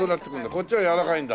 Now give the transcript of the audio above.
こっちは柔らかいんだ。